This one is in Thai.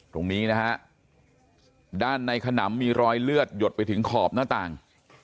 ตรงนี้นะฮะด้านในขนำมีรอยเลือดหยดไปถึงขอบหน้าต่าง